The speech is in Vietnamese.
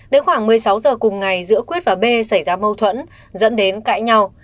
đến khoảng một mươi sáu giờ cùng ngày giữa quyết và b xảy ra mâu thuẫn dẫn đến cãi nhau